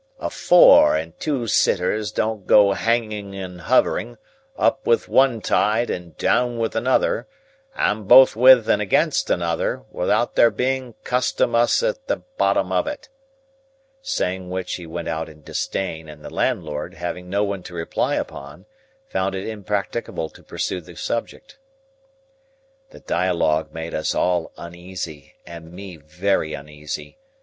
A four and two sitters don't go hanging and hovering, up with one tide and down with another, and both with and against another, without there being Custom 'Us at the bottom of it." Saying which he went out in disdain; and the landlord, having no one to reply upon, found it impracticable to pursue the subject. This dialogue made us all uneasy, and me very uneasy.